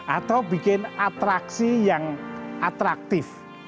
atau bikin atraksi yang atraktif